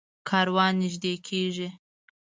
کاروان نږدې کېږي.